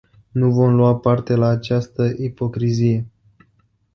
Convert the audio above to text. Nu vom lua parte la această ipocrizie.